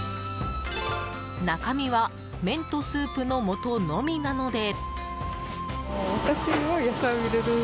中身は麺とスープのもとのみなので。